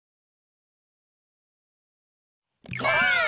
ばあっ！